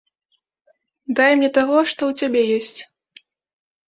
Дай мне таго, што ў цябе ёсць.